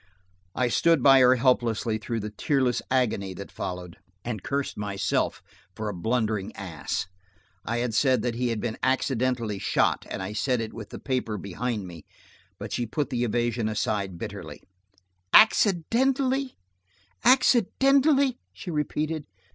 I stood by her helplessly through the tearless agony that followed, and cursed myself for a blundering ass. I had said that he had been accidentally shot, and I said it with the paper behind me, but she put the evasion aside bitterly. "Accidentally!" she repeated.